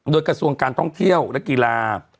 โดยกระทรวงการท่องเที่ยวและกีฬา